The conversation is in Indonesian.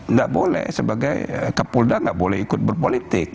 nggak boleh sebagai kapolda nggak boleh ikut berpolitik